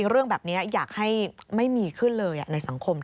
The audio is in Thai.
เรื่องแบบนี้อยากให้ไม่มีขึ้นเลยในสังคม